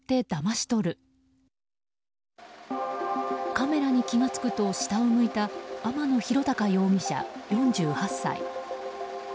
カメラに気付くと下を向いた天野博貴容疑者、４８歳。